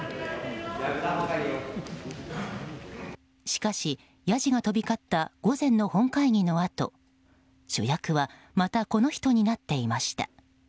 しかし、やじが飛び交った午前の本会議のあと主役はまたこの人になっていました。